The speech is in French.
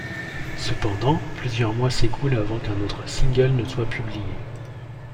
Cependant, plusieurs mois s'écoulent avant qu'un autre single ne soit publié.